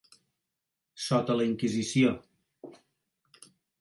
Sota la Inquisició.